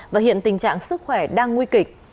và hiện tình trạng sức khỏe đang nguy kịch